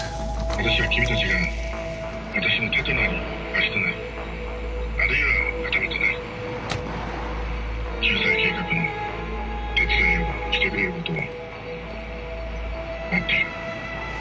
私は君たちが私の手となり足となりあるいは頭となり救済計画の手伝いをしてくれることを待っている。